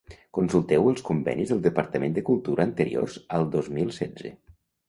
Consulteu els convenis del Departament de Cultura anteriors al dos mil setze.